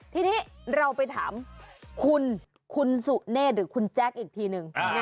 ทีนี้เราไปถามคุณคุณสุเนธหรือคุณแจ๊คอีกทีนึง